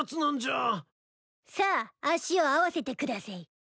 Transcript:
さあ足を合わせてくだせい。